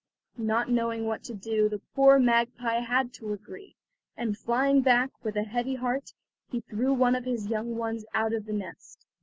Not knowing what to do the poor magpie had to agree, and flying back, with a heavy heart, he threw one of his young ones out of the nest.